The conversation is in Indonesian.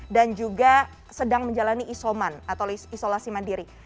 dan juga sedang menjalani isoman atau isolasi mandiri